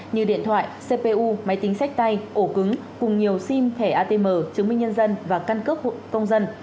như điện thoại cpu máy tính sách tay ổ cứng cùng nhiều sim thẻ atm chứng minh nhân dân và căn cước công dân